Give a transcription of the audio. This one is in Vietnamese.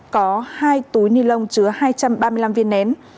có hai túi ni lông chứa hai trăm ba mươi năm viên nén